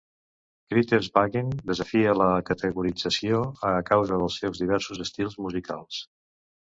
Critters Buggin desafia la categorització a causa dels seus diversos estils musicals.